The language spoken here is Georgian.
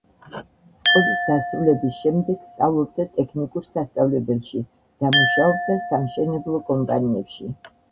სკოლის დასრულების შემდეგ სწავლობდა ტექნიკურ სასწავლებელში და მუშაობდა სამშენებლო კომპანიებში.